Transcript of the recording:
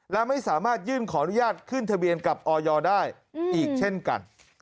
และไม่สามารถยื่นขออนุญาตขึ้นทะเบียนกับออยได้อีกเช่นกัน